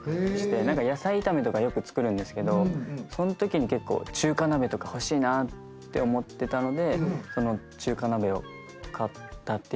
野菜炒めとかよく作るんですけどそんときに中華鍋とか欲しいなと思ってたので中華鍋を買ったって感じですね。